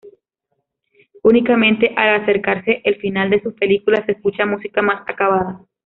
Únicamente al acercarse el final de sus películas se escucha música más "acabada".